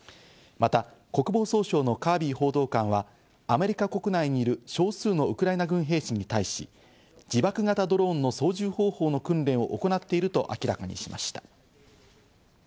また国防総省のカービー報道官はアメリカ国内にいる少数のウクライナ軍兵士に対し、自爆型ドローンの操縦方法の訓練を行っていると明らかにしました。